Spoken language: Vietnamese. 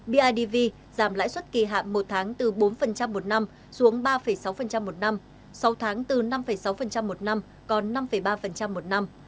bidv giảm lãi suất kỳ hạn một tháng từ bốn một năm xuống ba sáu một năm sáu tháng từ năm sáu một năm còn năm ba một năm